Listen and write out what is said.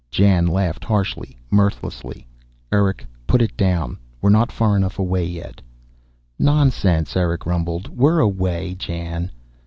Jan laughed harshly, mirthlessly. "Erick, put it down. We're not far enough away, yet." "Nonsense," Erick rumbled. "We're away, Jan."